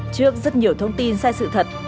trước rất nhiều thông tin sai sự thật